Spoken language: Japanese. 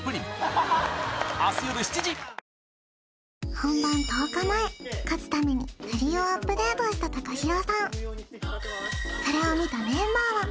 本番１０日前勝つために振りをアップデートしたＴＡＫＡＨＩＲＯさん